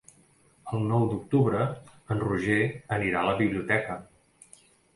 El nou d'octubre en Roger anirà a la biblioteca.